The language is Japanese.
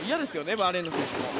バーレーンの選手も。